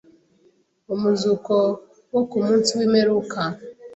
umuzuko wo ku munsi w’imperuka